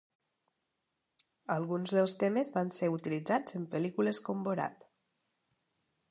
Alguns dels temes van ser utilitzats en pel·lícules com Borat.